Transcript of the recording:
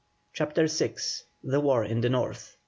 CHAPTER VI. THE WAR IN THE NORTH.